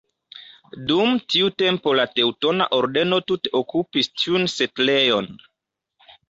Dum tiu tempo la Teŭtona Ordeno tute okupis tiun setlejon.